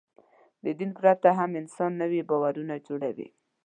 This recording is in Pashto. د دین پرته هم انسان نوي باورونه جوړوي.